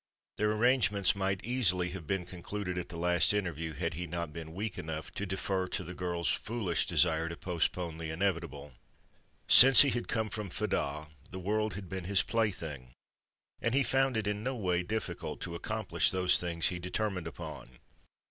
Their arrangements might easily have been concluded at the last interview had he not been weak enough to defer to the girl's foolish desire to postpone the inevitable. Since he had come from Fedah, the world had been his plaything, and he found it in no way difficult to accomplish those things he determined upon.